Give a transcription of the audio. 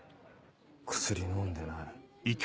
薬飲んでない。